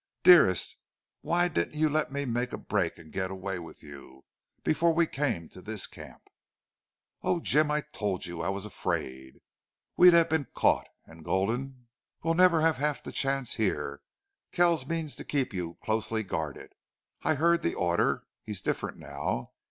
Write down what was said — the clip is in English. "Dearest, why didn't you let me make a break to get away with you before we came to this camp?" "Oh, Jim, I told you. I was afraid. We'd have been caught. And Gulden " "We'll never have half the chance here. Kells means to keep you closely guarded. I heard the order. He's different now.